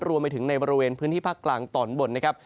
รวมไปถึงในบริเวณพื้นที่ภาคกลางตอนบนนะครับ